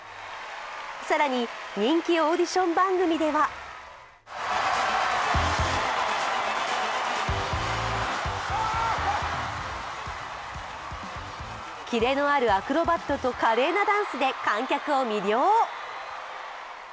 更に人気オーディション番組ではキレのあるアクロバットと華麗なダンスで観客を魅了。